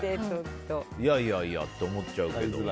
いやいやって思っちゃうけど。